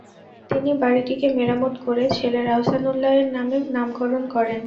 তিনি বাড়িটিকে মেরামত করে ছেলের আসহানউল্লাহ্ এর নামে নামকরণ করেন।